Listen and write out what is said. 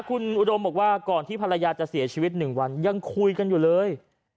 คุณอุดมบอกว่าก่อนที่ภรรยาจะเสียชีวิต๑วันยังคุยกันอยู่เลย